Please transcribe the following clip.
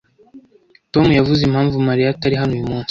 Tom yavuze impamvu Mariya atari hano uyu munsi?